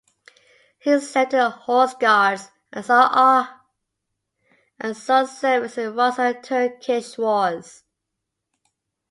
He served in the horse guards and saw service in the Russo-Turkish Wars.